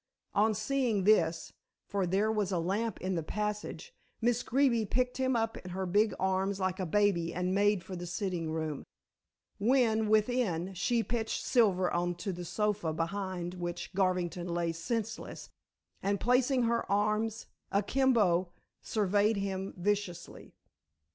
On seeing this for there was a lamp in the passage Miss Greeby picked him up in her big arms like a baby and made for the sitting room. When, within she pitched Silver on to the sofa behind which Garvington lay senseless, and placing her arms akimbo surveyed him viciously.